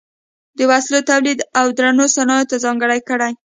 د وسلو تولید او درنو صنایعو ته ځانګړې کړې.